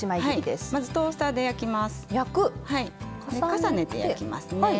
重ねて焼きますね。